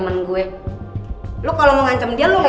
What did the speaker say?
satu sab sciencesnya ke